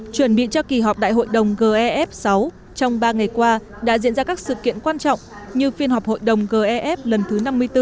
chuẩn bị cho kỳ họp đại hội đồng gef sáu trong ba ngày qua đã diễn ra các sự kiện quan trọng như phiên họp hội đồng gef lần thứ năm mươi bốn